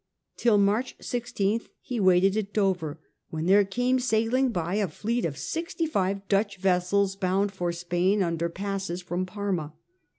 Till March 16th he waited at Dover, when there came sailing by a fleet of sixty five Dutch vessels bound for Spain under passes from Parma.